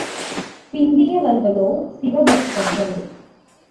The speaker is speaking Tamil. பிந்தியவர்களோ சிவ பக்தர்கள்.